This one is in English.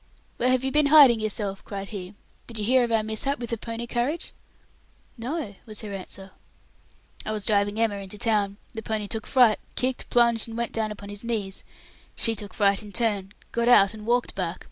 "Where have you been hiding yourself?" cried he. "Did you hear of our mishap with the pony carriage?" "No," was her answer. "I was driving Emma into town. The pony took fright, kicked, plunged and went down upon his knees; she took fright in turn, got out, and walked back.